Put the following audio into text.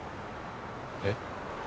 えっ？